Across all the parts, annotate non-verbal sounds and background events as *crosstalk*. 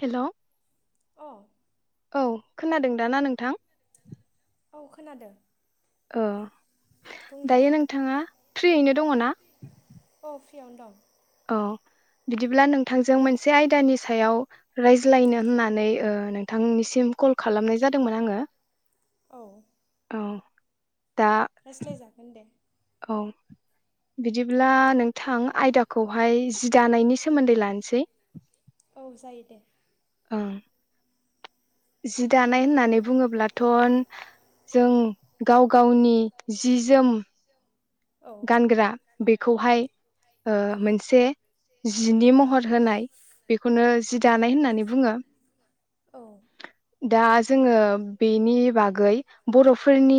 हेल' औ खोनादों दा ना नोंथां। औ खोनादों। ओ दायो नोंथाङा फ्रियैनो दङ ना? अ फ्रियावनो दं। औ बिदिब्ला नोंथांजों मोनसे आयदानि सायाव रायज्लायनो होननानै ओ नोंथांनिसिम कल खालामनाय जादोंमोन आङो। औ। रायज्लायजागोन दे। औ बिदिब्ला नोंथां आयदाखौहाय जि दानायनि सोमोन्दै लानोसै। औ जायो दे। ओं जि दानाय होननानै बुङोब्लाथ'। जों गाव गावनि जि जोम गानग्रा बेखौहाय ओ मोनसे जिनि महर होनाय बेखौनो जि दानाय होननानै बुंङो। औ। दा जोंङो बेनि बागै बर' फोरनि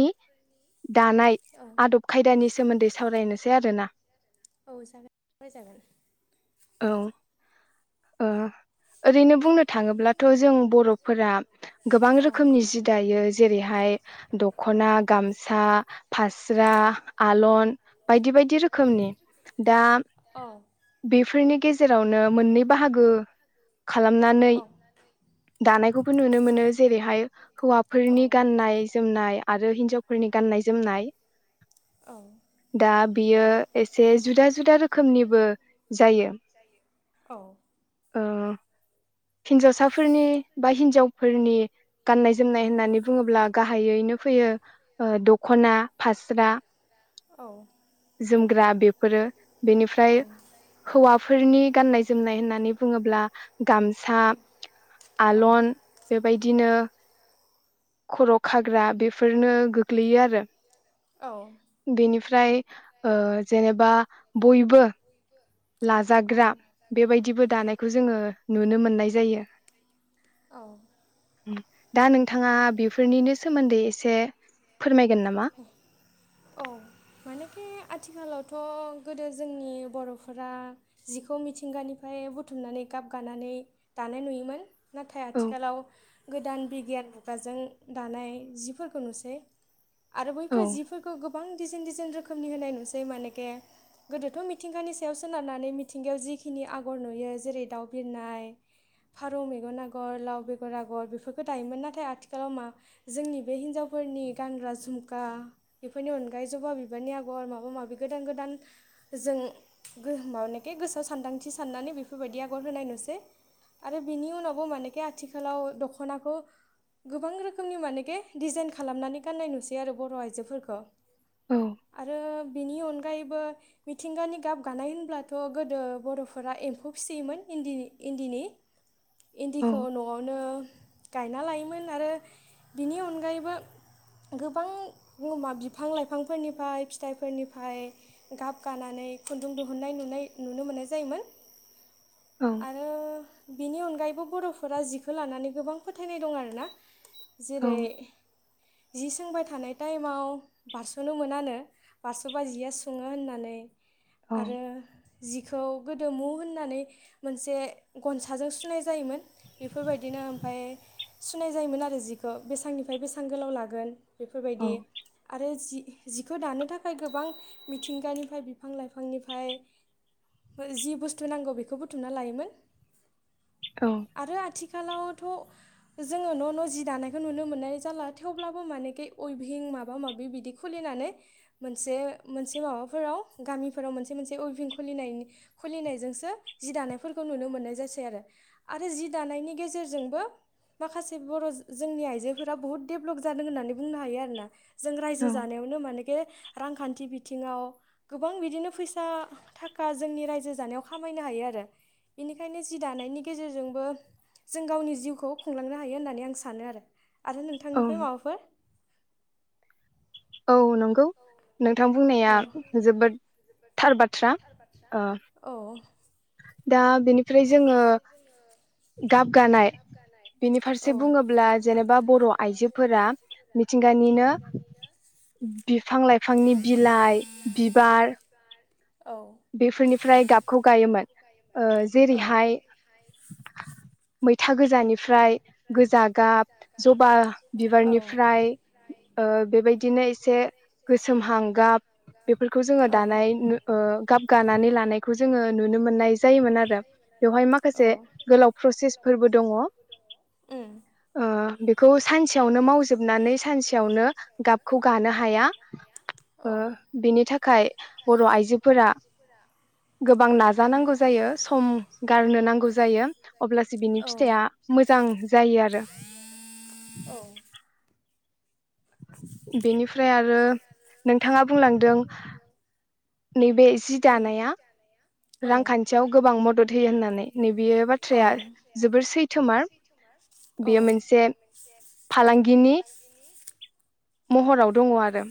दानाय आदब खायदानि सोमोन्दै सावरायनोसै आरोना। औ जागोन जागोन। औ ओ ओरैनो बुंनो थाङोब्लाथ' जों बर'फोरा गोबां रोखोमनि जि दायो जेरैहाय दखना गामसा फास्रा आलन बायदि बायदि रोखोमनि दा बेफोरनि गेजेरावनो मोननै बाहागो खालामनानै दानायखौबो नुनो मोनो जेरैहाय हौवाफोरनि गान्नाय जोमनाय आरो हिनजाव फोरनि गान्नाय जोमनाय दा बियो एसे जुदा जुदा रोखोम रोखोमनिबो जायो हिन्जावसाफोरनि बा हिन्जावफोरनि गाननाय जोमनाय होननानै बुंङोब्ला गाहायैनो फैयो दखना खना फास्रा औ जोमग्रा बेफोरो बेनिफ्राय हौवाफोरनि गानाय जोमनाय होननानै बुंङोब्ला गामसा आलन बेबायदिनो खर' खाग्रा बेफोरनो गोग्लैयो आरो औ ओमफ्राय जेनेबा बयबो लाजाग्रा बेबायदिबो दानायखौ जोंङो नुनो मोननाय जायो औ दा नोंथाङा बेफोरनिनो सोमोन्दै एसे औ मानेखि *unintelligible* आथिखालावथ' गोदो जोंनि बर'फोरा जिखौ मिथिंगानिफ्राय बुथुमनानै गाब गानानै दानाय नुयोमोन नाथाय आथिखालाव गोदान बिगियान मुगाजों दानाय जिफोरखौ नुसै आरो बैफोर जिफोरखौ गोबां डिजाइन डिजाइन रोखोमनि होनाय नुसै मानेके गोदोथ' मिथिंगानि सायाव सोनारनानै मिथिंगायाव जिखिनि आगर नुयो जेरै दाउ बिरनाय फारौ मेगन आगर लाव बेगर आगर बेफोरखौ दायोमोन नाथाय आथिखालाव मा जोंनि बे हिनजाव फोरनि गानग्रा जिफोरखौ धुमखा बेफोरनि अनगायै जबा बिबारनि आगर माबा माबि गोदान गोदान जों गोहोमाव माबानखे गोसोआव सानदांथि साननानै बेफोरबायदि आगर होनाय नुसै आरो बिनि उनावबो मानेखि आथिखालाव दख'नाखौ गोबां रोखोमनि मानेके डिजाइन खालामनानै गाननाय नुसै आरो बर' आइजोफोरखौ आरो बिनि अनग अनगायैबो मिथिंगानि गाब गानाय होनब्लाथ' गोदो बर'फोरा एम्फौ फिसियोमोन इन्दिनि इन्दिनि इन्दिखौ न'आवनो गायना लायोमोन आरो बिनि अनगायैबो गोबां बिफां लाइफांफोरनिफ्राय फिथाइफोरनिफ्राय गाब गानानै खुन्दुं दिहुननाय नुनाय नुनो मोननाय जायोमोन *inaudible* आरो बिनि अनगायैबो बर'फोरा जिखौ लानानै गोबां फोथायनाय दं आरोना जेरै जि सोंबाय थानाय टाइमाव बारस'नो मोनानो बारस'बा जिया सुङो होननानै आरो जि बेखौ गोदो मु होननानै मोनसे गनसाजों सुनाय जायोमोन बेफोरबायदिनो ओमफ्राय सुनाय जायोमोन आरो जिखौ बेसेबांनिफ्राय बेसेबां गोलाव लागोन बेफोरबायदि आरो जि जिखौ दानो थाखाय गोबां मिथिंगानिफ्राय बिफां-लाइफांनिफ्राय जि बुस्थु नांगौ बेखौ बुथुमना लायोमोन आरो आथिखालाव थ' जोङो न' न' दानायखौ नुनो मोननाय जाला थेव ब्लाबो मानेखे अइभिं माबा माबि बिदि खुलिनानै मोनसे मोनसे माबाफोराव गामिफोराव मोनसे मोनसे उइभिं खुलि खुलिनायजोंसो जि दानायफोरखौ नुनो मोननाय जासै आरो। आरो जि दानायनि गेजेरजोंबो माखासे बर' जोंनि आइजोफोरा बहुत देभ ब्लब जादों होननानै बुंनो हायो आरोना जों रायजो जानायावनो मानेके रांखान्थि बिथिङाव गोबां बिदिनो फैसा थाखा जोंनि रायजो जानायाव खामायनो हायो आरो। बेनिखायनो जि दानायनि गेजेरजोंबो जों गावनि जिउखौ खुंलांनो हायो होननानै आं सानो आरो आरो नोंथांनिफ्राय माबाफोर औ नंगौ नोंथां बुंनाया जोबोद थार बाथ्रा। दा बेनिफ्राय जोङो गाब गानाय बिनि फारसे बुङोब्ला जेनेबा बर' आइजोफोरा मिथिंगानिनो बिफां-लाइफांनि बिलाइ बिबार बेफोरनिफ्राय गाबखौ गायोमोन ओ जेरैहाय मैथा गोजानिफ्राय गोजा गाब जबा बिबारनिफ्राय बेबायदिनो एसे गोसोमहां गाब बेफोरखौ जोङो दानाय ओ गानानै लानायखौ जोङो नुनो मोननाय जायोमोन आरो बेवहाय माखासे गोलाव प्रसेसफोर बो दङ। बेखौ सानसेयावनो मावजोबनानै सानसेयावनो गाबखौ गानो हाया। बिनि थाखाय बर' आइजोफोरा गोबां नाजानांगौ जायो सम गारनो नांगौ जायो अब्लासो बिनि फिथाइया मोजां जायो आरो। बेनिफ्राय आरो नोंथाङा बुंलांदों नैबे जि दानाया रांखान्थियाव गोबां मदद होयो होननानै नैबेयो बाथ्राया जोबोर सैथोमार। बेयो मोनसे फालांगिनि महराव दङ आरो।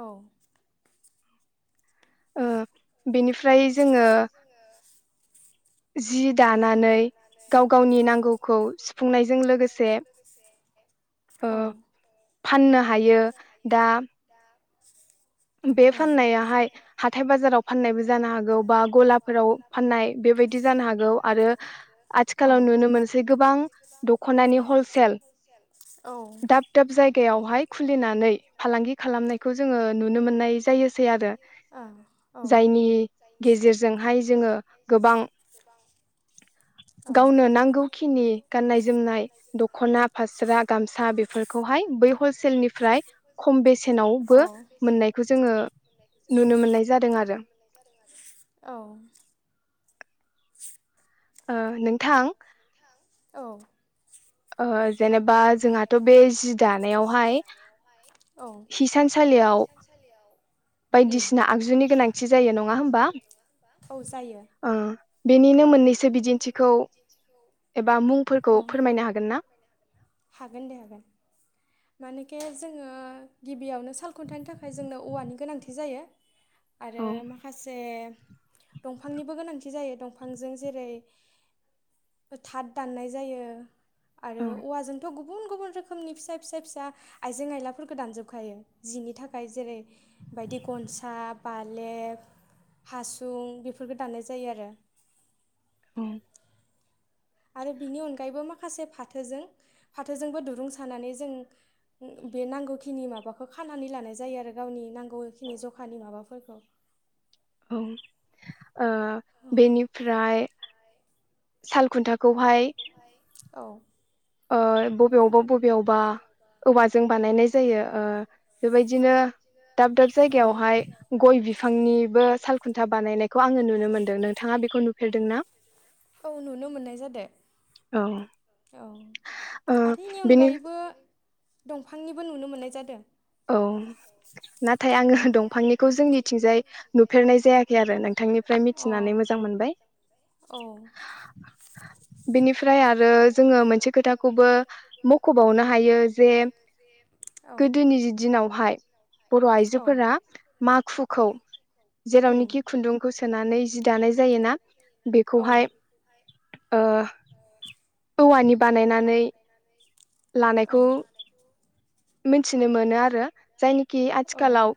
औ। बेनिफ्राय जोङो जि दानानै गाव गावनि नांगौखौ सुफुंनायजों लोगोसे फाननो हायो दा बे फाननायाहाय हाथाय बाजाराव फाननायबो जा नो हागौ बा गलाफोराव फानाय बेबायदि जानो हागौ आरो आथिखालाव नुनो मोनसै गोबां दखनानि हलसेल दाब दाब जायगायावहाय खुलिनानै फालांगि खालामनायखौ जोङो नुनो मोननाय जायोसै आरो जायनि गेजेरजोंहाय जोङो गोबां गावनो नांगौखिनि गाननाय जोमनाय दख'ना फास्रा गामसा बेफोरखौ हाय बै हलसेलनिफ्राय खम बेसेनावबो मोननायखौ जोङो नुनो मोननाय जादों आरो। औ। *inaudible* ओ नोंथां औ। ओ जेनेबा जोंहाथ' बे जि दानायावहाय हिसानसालियाव बायदिसिना आगजुनि गोनांथि जायो नङा होमबा जायो बेनिनो मोननैसो बिदिन्थिखौ एबा मुंफोरखौ फोरमायनो हागोन ना मानेखे जोङो गिबियावनो साल खुन्थाइनि थाखाय जोंनो औवानि गोनांथि जायो आरो माखासे दंफांनिबो गोनांथि जायो दंफांजों जों जेरै थाथ दाननाय जायो आरो औवाजोंथ' गुबुन गुबुन रोखोमनि फिसा फिसा फिसा आइजें आइलाफोरखौ दानजोबखायो जि बिनि थाखाय जेरै बायदि गनसा बालेब हासुं बेफोरफोरखौ दाननाय जायो आरो उम आरो बिनि अनगायैबो माखासे फाथोजों फाथोजोंबो दुरुं सानानै जों बे नांगौखिनि माबाखौ खानानै लानाय जायो आरो गावनि नांगौखिनि जखानि माबाफोरखौ *unintelligible* *inaudible* औ ओबेनिफ्राय सालखुन्था खौहाय औ ओ बब- बबेयावबा बबेयावबा औवाजों बानायनाय जायो ओ बेबायदिनो दाब दाब जायगायावहाय गय बिफांनिबो सालखुन्था बानायनायखौ आङो नुनो मोनदों नोंथाङा बेखौ नुफेर औ नुनो मोननाय जादों औ औ आथायाइनि अनगायैबो दंफांनिबो नुनो मोननाय जादों औ नाथाय आङो दंफांनि खौ जोंनिथिंजाय नुफेरनाय जायाखै आरो नोंथांनिफ्राय मिथिनानै मोजां मोनबाय औ बिनि‌ बेनिफ्राय आरो जोङो मोनसे खोथाखौबो मख'बावनो हायो जे औ गोदोनि दिनावहाय बर' आइजोफोरा माखुखौ जेरावनोखि खुन्दुंखौ सोनानै जि दानाय जायोना बेखौहाय ओ औवानि बानायनानै लानायखौ मिथिनो मोनो आरो जायनिखि आथिखालाव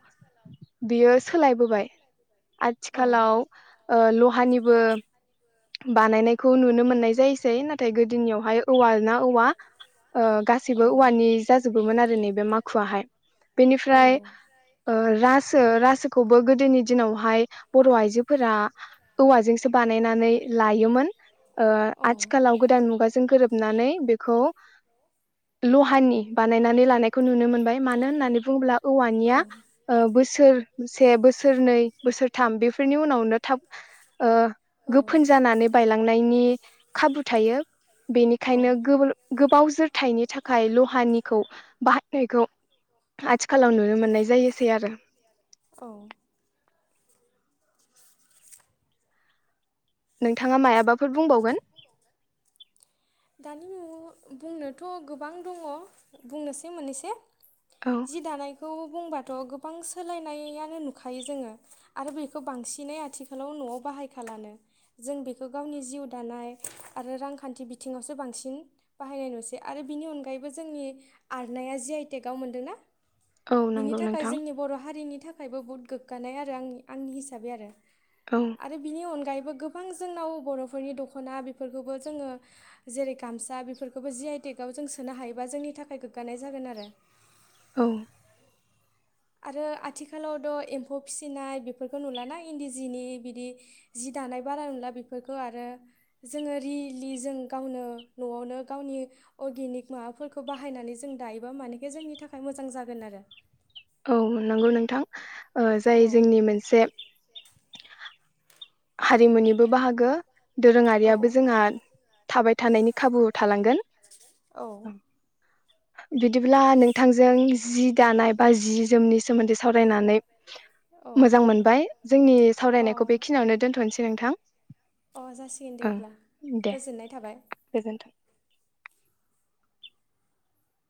बियो सोलायबोबाय आथिखालाव ओ लहानि बो बानायनाय खौ नुनो मोननाय जायोसै नाथाय गोदोनियावहाय औवा ना औवा ओ गासैबो औवानि जाजोबोमोन आरो नैबे माखुआाहाय बेनिफ्राय ओ रासो रासोखौबो गोदोनि दिनावहाय बर' आइजोफोरा औवाजोंसो बानायनानै लायोमोन ओ आथिखालाव गोदान मुगाजों गोरोबनानै बेखौ लहानि बानायनानै लानायखौ नुनो मोनबाय मानो होननानै बुङोब्ला औवानिया ओ बोसोर बोसोर से बोसोरनै बोसोरथाम बेफोरनि उनावनो थाब ओ गोफोन जानानै बायलांनायनि खाबु थायो बेनिखायनो गोबाव जोरथायाइनि थाखाय लहानिखौ बाहायनायखौ आथिखालाव नुनो मोननाय जायोसै आरो औ नोंथाङा मायाबाफोर बुंबावगोन दानि न'आव बुंनोथ' गोबां दङ बुंनोसै मोनैसे जि दानायखौ बुंबाथ गोबां सोलायनायानो नुखायो जोङो आरो बेखौ बांसिनै आथिखालाव नआव बा बाहाय खालानो जों बेखौ गावनि जिउ दानाय आरो रांखान्थि बि बिथिङावसो बांसिन बाहायनाय नुसै आरो बिनि अनगायैबो जोंनि आरनाया जि आइ टेक आव मोन्दोंना बिनि थाखाय जोंनि बर हारिनि थाखायबो बहुत गोग्गानाय आरो आंनि आंनि हिसाबै आरो आरो बिनि अनगायैबो गोबां जोंनाव बरफोरनि दखना बेफोरखौबो जोङो जेरै गामसा बेफोरखौबो जि आइ टेक आव जों सोनो हायोबा जोंनि थाखाय गोग्गानाय जागोन आरो औ आरो आथिखालावद एम्फौ फिसिनाय बेफोरखौ नुलाना इन्दि जिनि बिदि जि दानाय बारा नुला बेफोरखौ आरो जोङो रिलि जों गावनो नआवनो गावनि अर्गेनिक माबाफोरखौ बाहायनानै जों दायोबा मानेखे जोंनि थाखाय मोजां जागोन आरो। औ नंगौ नोंथां ओ जाय जोंनि मोनसे हारिमुनिबो बाहागो दोरोङारियाबो जोंहा थाबाय थानायनि खाबु थालांगोन। औ बिदिब्ला नोंथांजों जि दानाय बा जि जोमनि सोमोन्दै सावरायनानै मोजां मोनबाय जोंनि सावरायनायखौ बेखिनियावनो दोनथनोसै नोंथां। अ जासिगोन दे अब्ला गोजोननाय थाबाय।